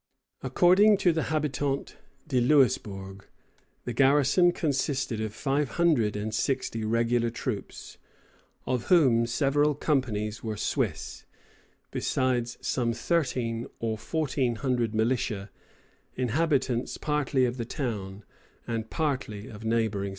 According to the Habitant de Louisbourg, the garrison consisted of five hundred and sixty regular troops, of whom several companies were Swiss, besides some thirteen or fourteen hundred militia, inhabitants partly of the town, and partly of neighboring settlements.